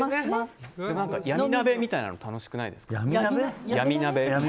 闇鍋みたいなの楽しくないですか？